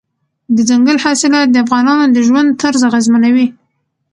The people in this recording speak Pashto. دځنګل حاصلات د افغانانو د ژوند طرز اغېزمنوي.